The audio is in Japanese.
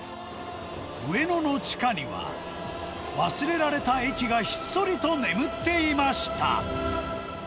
上野の地下には、忘れられた駅がひっそりと眠っていました。